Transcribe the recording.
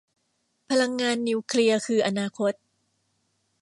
พลังงานนิวเคลียร์คืออนาคต